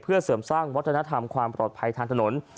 เพื่อเสริมสร้างวัฒนธรรมความปลอดภัยทางถนน